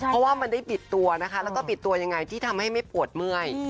เพราะว่ามันได้บิดตัวนะคะแล้วก็บิดตัวยังไงที่ทำให้ไม่ปวดเมื่อย